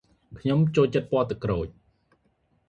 ខ្ញុំចូលចិត្តពណ៌ទឹកក្រូច ។